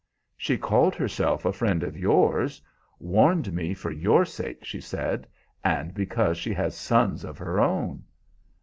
"She called herself a friend of yours warned me for your sake, she said, and because she has sons of her own."